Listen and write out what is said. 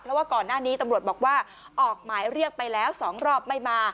เพราะว่าก่อนหน้านี้ตำรวจบอกว่าออกหมายเรียกไปแล้ว๒รอบไม่มา